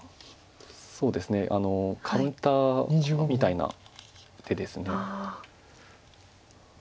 そうですねカウンターみたいな手です。